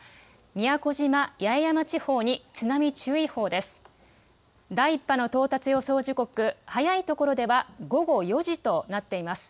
宮古島・八重山地方に津波注意報です。